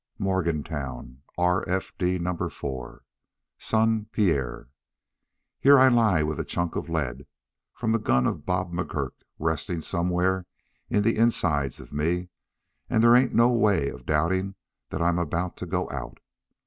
"Morgantown, "R.F.D. No. 4. "SON PIERRE: "Here I lie with a chunk of lead from the gun of Bob McGurk resting somewheres in the insides of me, and there ain't no way of doubting that I'm about to go out.